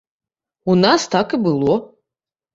У нас так і было.